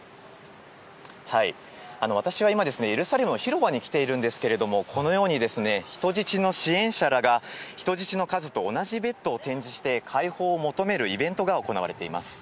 私は今、エルサレムの広場に来ているんですけれども、このように、人質の支援者らが、人質の数と同じベッドを展示して、解放を求めるイベントが行われています。